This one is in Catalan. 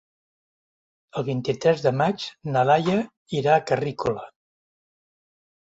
El vint-i-tres de maig na Laia irà a Carrícola.